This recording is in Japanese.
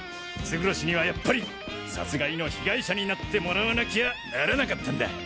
勝呂氏にはやっぱり殺害の被害者になってもらわなきゃならなかったんだ。